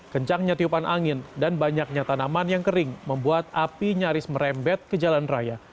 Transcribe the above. kencangnya tiupan angin dan banyaknya tanaman yang kering membuat api nyaris merembet ke jalan raya